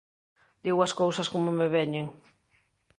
Digo as cousas como me veñen: